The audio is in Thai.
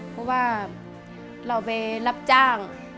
เพราะว่าเราไปรับจ้าง